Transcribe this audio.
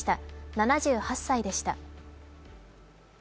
７８歳でした。